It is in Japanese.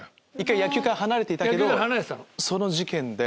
１回野球から離れていたけどその事件で。